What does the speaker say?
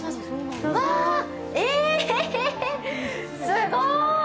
すごーい！！